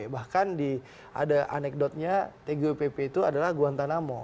bahkan ada anekdotnya tgupp itu adalah guantanamo